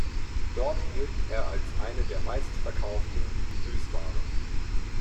Dort gilt er als eine der meistverkauften Süßwaren.